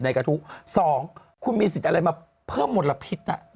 กระทู้๒คุณมีสิทธิ์อะไรมาเพิ่มมลพิษ